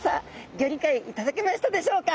ギョりかいいただけましたでしょうか。